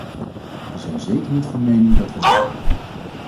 We zijn zeker niet van mening dat we er al zijn.